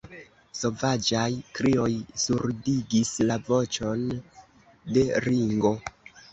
Sovaĝaj krioj surdigis la voĉon de Ringo.